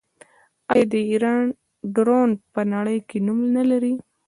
آیا د ایران ډرون په نړۍ کې نوم نلري؟